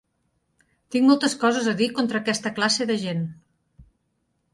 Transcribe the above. Tinc moltes coses a dir contra aquesta classe de gent.